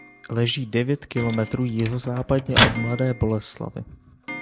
Leží devět kilometrů jihozápadně od Mladé Boleslavi.